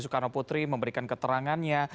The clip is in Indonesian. sukanoputri memberikan keterangannya